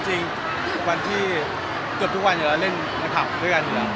จริงวันที่เกือบทุกวันอยู่แล้วเล่นในผับด้วยกันอยู่แล้ว